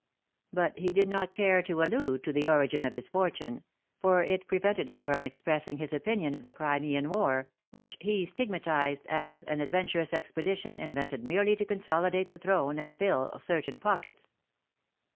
But he did not care to allude to the origin of his fortune, for it prevented him from expressing his opinion of the Crimean war, which he stig matized ^^as an adventurous expedition, invented merely to consolidate the throne and fill certain pockets."